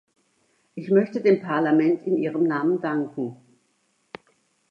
Ich möchte dem Parlament in ihrem Namen danken.